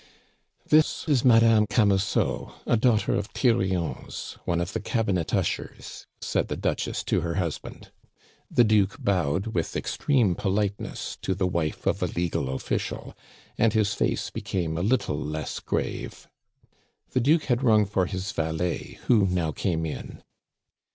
"This is Madame Camusot, a daughter of Thirion's one of the Cabinet ushers," said the Duchess to her husband. The Duke bowed with extreme politeness to the wife of a legal official, and his face became a little less grave. The Duke had rung for his valet, who now came in.